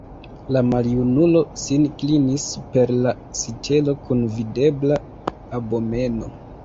La maljunulo sin klinis super la sitelo kun videbla abomeno.